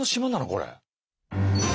これ。